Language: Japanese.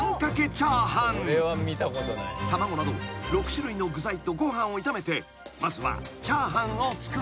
［卵など６種類の具材とご飯を炒めてまずはチャーハンを作り］